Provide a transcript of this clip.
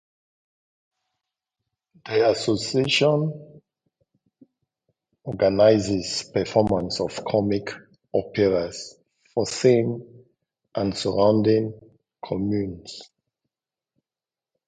The association organizes performances of comic operas for Sames and surrounding communes.